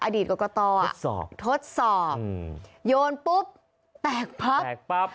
อดีตกรกตทดสอบทดสอบโยนปุ๊บแตกปั๊บแตกปั๊บ